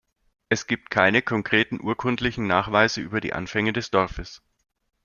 Es gibt keine konkreten urkundlichen Nachweise über die Anfänge des Dorfes.